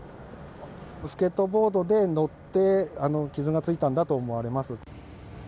スケートボードで乗って、傷がついたんだと思われます。